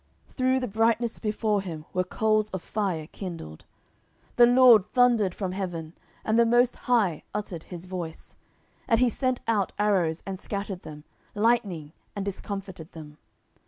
10:022:013 Through the brightness before him were coals of fire kindled. 10:022:014 The LORD thundered from heaven, and the most High uttered his voice. 10:022:015 And he sent out arrows, and scattered them; lightning, and discomfited them.